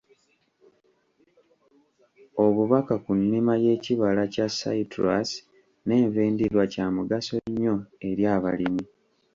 Obubaka ku nnima y'ekibala kya citrus n'enva endiirwa kya mugaso nnyo eri abalimi.